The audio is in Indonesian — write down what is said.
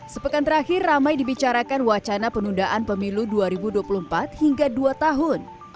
sepekan terakhir ramai dibicarakan wacana penundaan pemilu dua ribu dua puluh empat hingga dua tahun